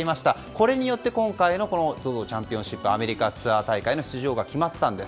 これによって今回のＺＯＺＯチャンピオンシップアメリカ大会ツアーの出場が決まったんです。